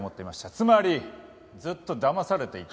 つまりずっとだまされていた。